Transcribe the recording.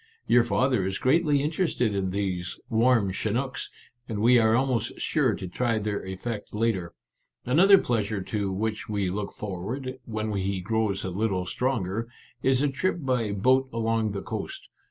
Your father is greatly interested in these i warm chinooks/ and we are almost sure to try their effect later. Another pleasure to which we look forward, when he grows a little stronger, is a trip by boat along the coast.